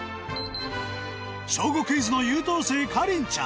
『小５クイズ』の優等生かりんちゃん